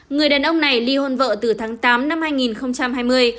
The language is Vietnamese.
người đàn ông này ly hôn vợ từ tháng tám năm hai nghìn hai mươi